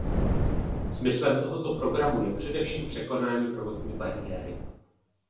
Smyslem tohoto programu je především překonání prvotní bariéry.